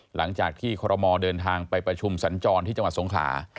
หลังจากที่คอรมอลเดินทางไปประชุมสัญจรที่จังหวัดสงขลา